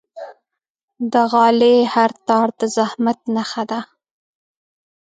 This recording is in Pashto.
د غالۍ هر تار د زحمت نخښه ده.